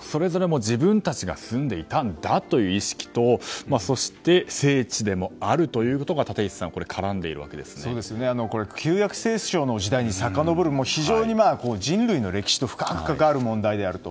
それぞれ自分たちが住んでいたという意識とそして、聖地でもあるということが旧約聖書の時代にさかのぼる非常に人類の歴史と深く関わる問題であると。